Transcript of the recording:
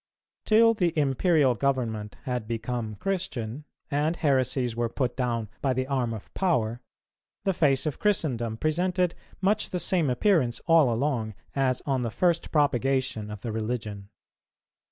Till the Imperial Government had become Christian, and heresies were put down by the arm of power, the face of Christendom presented much the same appearance all along as on the first propagation of the religion.